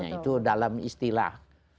itu dalam istilah